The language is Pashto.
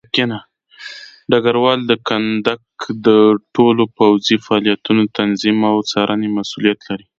ډګروال د کندک د ټولو پوځي فعالیتونو د تنظیم او څارنې مسوولیت لري.